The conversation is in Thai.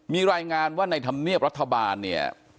มีรายงานว่าในธรรมเนียบรัฐบาลเนี่ย